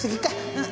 うん。